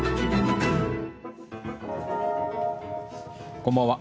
こんばんは。